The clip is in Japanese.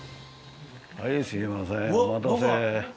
はいすいませんお待たせ。